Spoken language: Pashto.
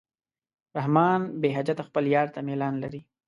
رحمان بېحجته خپل یار ته میلان لري.